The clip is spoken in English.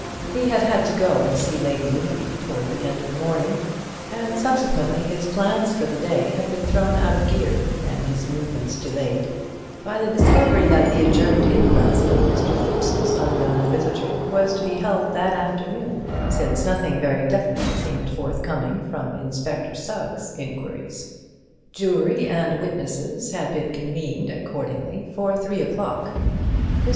He had had to go and see Lady Levy towards the end of the morning, and subsequently his plans for the day had been thrown out of gear and his movements delayed by the discovery that the adjourned inquest of Mr. Thipps's unknown visitor was to be held that afternoon, since nothing very definite seemed forthcoming from Inspector Sugg's enquiries. Jury and witnesses had been convened accordingly for three o'clock. Mr.